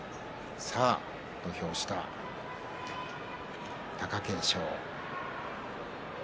土俵下、貴景勝です。